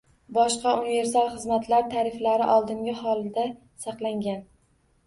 Boshqa universal xizmatlar tariflari oldingi holida saqlangan.